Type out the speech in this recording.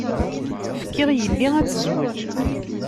Fkiɣ yelli ad tezweǧ.